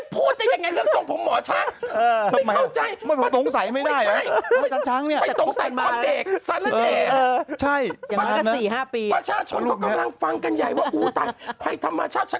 ประชาชนเขากำลังฟังกันใหญ่ว่าอุตัดภัยธรรมชาติ